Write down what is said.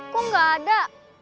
kok gak ada